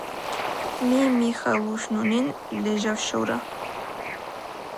მი მიხა ლუშნუ ნინ, ლეჟავშურა.